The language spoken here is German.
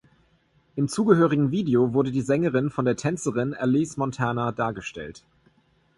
Im zugehörigen Video wurde die Sängerin von der Tänzerin Alice Montana dargestellt.